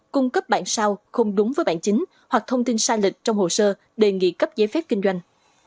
cung cấp bản sao không đúng với bản chính hoặc thông tin sai lệch trong hồ sơ đề nghị cấp giấy phép kinh doanh